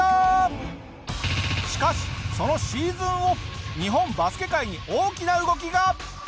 しかしそのシーズンオフ日本バスケ界に大きな動きが！